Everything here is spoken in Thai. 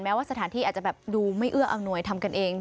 ว่าสถานที่อาจจะแบบดูไม่เอื้ออำนวยทำกันเอง